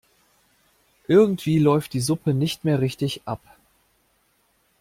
Irgendwie läuft die Suppe nicht mehr richtig ab.